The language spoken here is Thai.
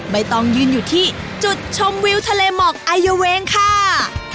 ใบตองยืนอยู่ที่จุดชมวิวทะเลหมอกไอเยาเวงค่ะ